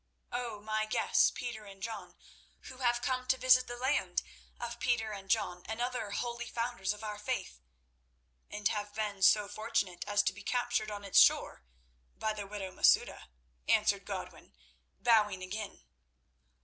"O, my guests, Peter and John, who have come to visit the land of Peter and John and other holy founders of our faith—" "And have been so fortunate as to be captured on its shore by the widow Masouda," answered Godwin, bowing again.